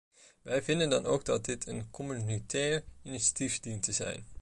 Wij vinden dan ook dat dit een communautair initiatief dient te zijn.